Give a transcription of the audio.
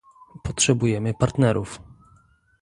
Potrzebujemy partnerów